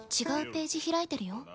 違うページ開いてるよ。